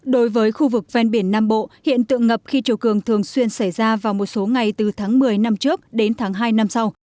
đối với khu vực ven biển nam bộ hiện tượng ngập khi chiều cường thường xuyên xảy ra vào một số ngày từ tháng một mươi năm trước đến tháng hai năm sau